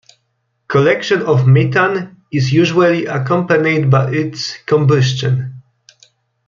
Collection of methane is usually accompanied by its combustion.